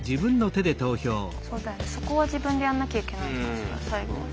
そこは自分でやんなきゃいけないのかしら最後は。